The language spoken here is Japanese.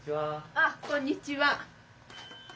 あっこんにちは。